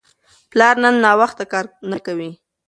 پلار نن ناوخته کار نه کوي.